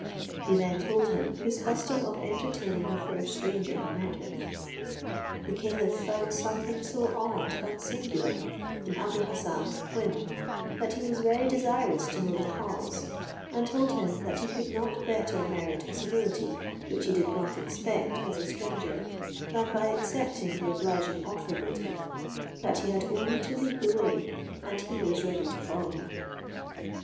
He then told him his custom of entertaining the first stranger he met with. The caliph found something so odd and singular in Abou Hassan's whim, that he was very desirous to know the cause; and told him that he could not better merit a civility, which he did not expect as a stranger, than by accepting the obliging offer made him; that he had only to lead the way, and he was ready to follow him.